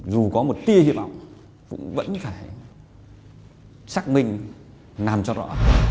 dù có một tia hi vọng vẫn phải xác minh làm cho rõ